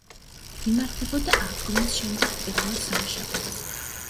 იმართებოდა აღდგომის შემდეგ პირველ სამშაბათს.